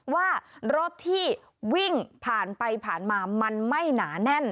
ว่ารถที่วิ่งผ่านไปผ่านมามันไม่หนาแน่น